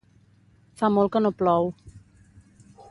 Fa molt que no plou.